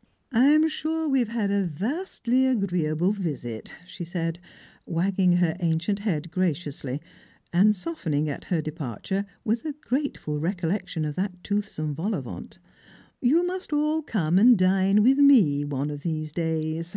" I am sure we have had a vastly agreeable visit," she said, cvagging her ancient head graciously, and softening at her de parture with a grateful recollection of that toothsome vol au vent; "you must all come and dine with me one of these days."